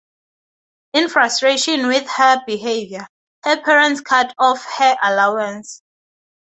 In frustration with her behavior, her parents cut off her allowance.